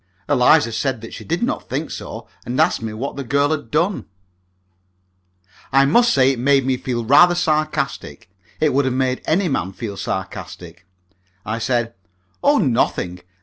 Eliza said that she did not think so, and asked me what the girl had done. I must say it made me feel rather sarcastic it would have made any man feel sarcastic. I said, "Oh, nothing.